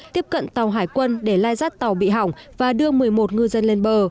tiếp cận tàu hải quân để lai rắt tàu bị hỏng và đưa một mươi một ngư dân lên bờ